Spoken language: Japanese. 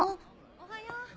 おはよう。